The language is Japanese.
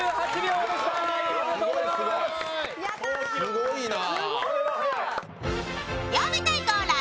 すごいな！